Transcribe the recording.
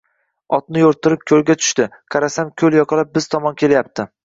Otini yoʼrttirib, koʼlga tushdi. Qarasam, koʼl yoqalab biz tomon kelyapti!